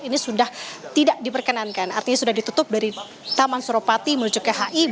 ini sudah tidak diperkenankan artinya sudah ditutup dari taman suropati menuju ke hi